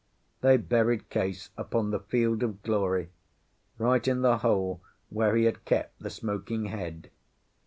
They buried Case upon the field of glory, right in the hole where he had kept the smoking head.